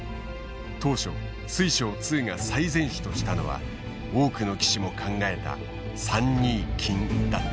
当初水匠２が最善手としたのは多くの棋士も考えた３二金だった。